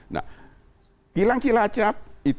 nah kilang cilacap itu sudah ada anonya dan lainnya